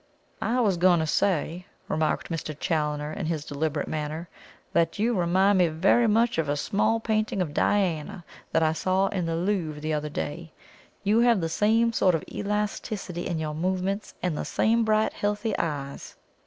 "I was going to say," remarked Mr. Challoner in his deliberate manner, "that you remind me very much of a small painting of Diana that I saw in the Louvre the other day. You have the same sort of elasticity in your movements, and the same bright healthy eyes."